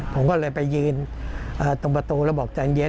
ผมก็เลยไปยืนตรงประตูแล้วบอกใจเย็น